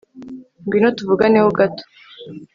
ngwino tuvugane ho gato